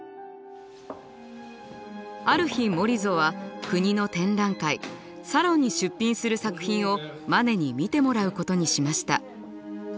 ある日モリゾは国の展覧会サロンに出品する作品をマネに見てもらうことにしました。